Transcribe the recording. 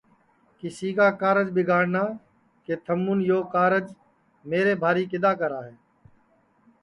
کیسی کا کارج ٻیگاڑنا کہ تھمُون یہ کارج میرے بھاری کِدؔا کرا